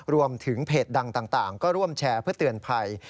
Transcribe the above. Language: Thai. รวมถึงเพจดังต่างก็ร่วมแชร์เพื่อเตือนภัย